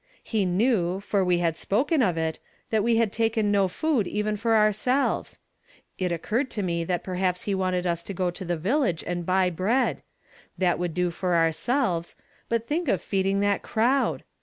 He knew, for Ave had spoken of it, that we had taken no food even for ourselves. It occurred to me that perhaps he wanted us to go to the village and buy bread ; that would do for ourselves : but thiidc of feeding that crowd!